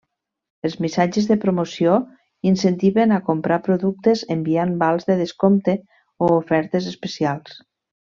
Els missatges de promoció incentiven a comprar productes enviant vals de descompte o ofertes especials.